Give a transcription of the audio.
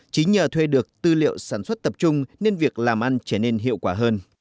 chính nhờ thuê được tư liệu sản xuất tập trung nên việc làm ăn trở nên hiệu quả hơn